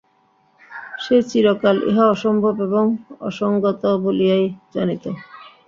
সে চিরকাল ইহা অসম্ভব এবং অসংগত বলিয়াই জানিত।